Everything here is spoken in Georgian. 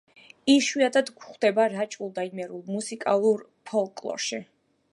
იშვიათად გვხვდება რაჭულ და იმერულ მუსიკალურ ფოლკლორში.